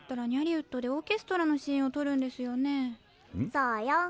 そうよん。